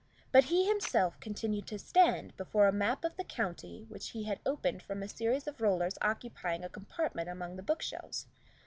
But he himself continued to stand before a map of the county which he had opened from a series of rollers occupying a compartment among the bookshelves.